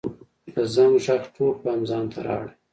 د زنګ ږغ ټول پام ځانته را اړوي.